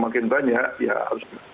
makin banyak ya harus